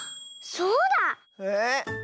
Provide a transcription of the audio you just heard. そうだ！えっ？